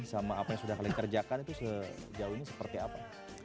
sama apa yang sudah kalian kerjakan itu sejauh ini seperti apa